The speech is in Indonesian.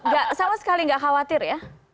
tapi salah sekali gak khawatir ya